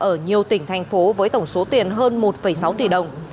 ở nhiều tỉnh thành phố với tổng số tiền hơn một sáu tỷ đồng